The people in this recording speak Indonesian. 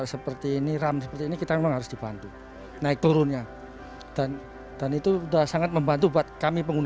seperti ia merry mountain atau type b